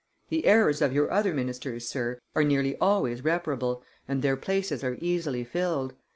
The errors of your other ministers, Sir, are nearly always reparable, and their places are easily filled.